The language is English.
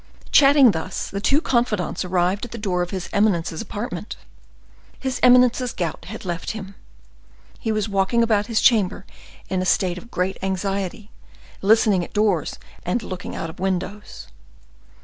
Chatting thus, the two confidants arrived at the door of his eminence's apartment. His eminence's gout had left him; he was walking about his chamber in a state of great anxiety, listening at doors and looking out of windows.